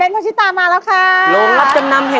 เด้นภาชิตามาแล้วค่ะโรงรับจำนำ